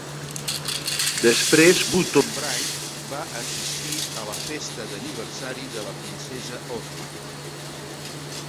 Després, Button-Bright va assistir a la festa d'aniversari de la princesa Ozma.